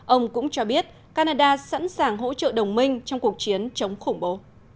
ông cũng cho biết canada sẵn sàng hỗ trợ đồng minh trong cuộc chiến chống khủng bố